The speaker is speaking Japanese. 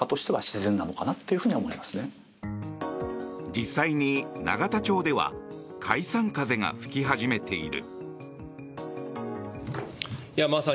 実際に永田町では解散風が吹き始めている。